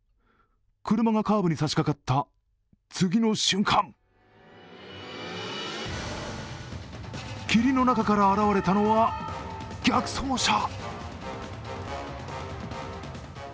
車がカーブに差しかかった次の瞬間、霧の中から現れたのは逆走車。